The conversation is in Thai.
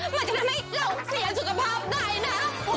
มันจะทำให้เราเสียสุขภาพได้นะ